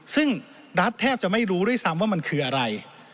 ซึ่งรัฐแทบจะไม่รู้ด้วยซ้ำว่ามันคืออะไร